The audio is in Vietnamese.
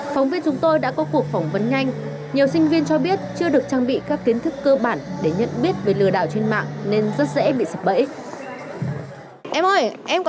phóng viên chúng tôi đã có cuộc phỏng vấn nhanh nhiều sinh viên cho biết chưa được trang bị các kiến thức cơ bản để nhận biết về lừa đảo trên mạng nên rất dễ bị sập bẫy